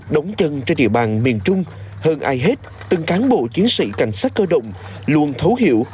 đóng chân trên địa bàn miền trung hơn ai hết từng cán bộ chiến sĩ cảnh sát cơ động luôn thấu hiểu